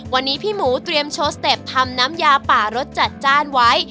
วันนี้พี่หมูเตรียมโชว์สเต็ปทำน้ำยาป่ารสจัดจ้านไว้